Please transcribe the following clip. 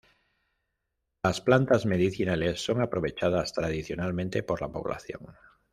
Las plantas medicinales son aprovechadas tradicionalmente por la población.